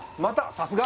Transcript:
さすが！